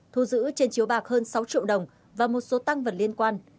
thu giữ trên chiếu bạc hơn sáu triệu đồng và một số tăng vật liên quan